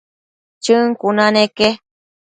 Chën cuna neque